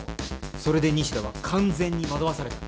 それで西田は完全に惑わされた。